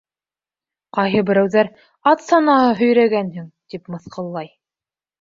Ҡайһы берәүҙәр, «ат санаһы һөйрәгәнһең», тип мыҫҡыллай...